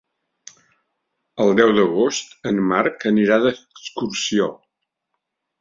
El deu d'agost en Marc anirà d'excursió.